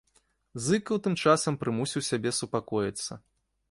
Зыкаў тым часам прымусіў сябе супакоіцца.